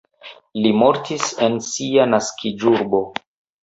Li mortis en sia naskiĝurbo.